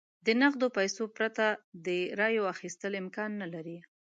د نغدو پیسو پرته د رایو اخیستل امکان نه لري.